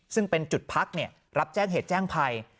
ซึ่งเป็นจุดพักรับแจ้งเหตุแจ้งภัย